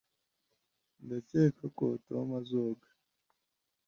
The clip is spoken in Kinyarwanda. ndakeka ko tom azoga